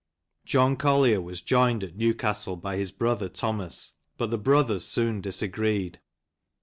John Collier was joined at Newcastle by his brother Thomas, but the brothers soon disagreed.